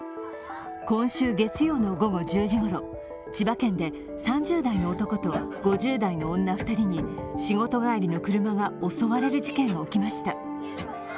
今週月曜の午後１０時ごろ千葉県で３０代の男と５０代の女２人に仕事帰りの車が襲われる事件が起きました。